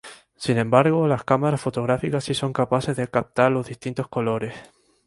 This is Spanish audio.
Sin embargo, las cámaras fotográficas sí son capaces de captar los distintos colores.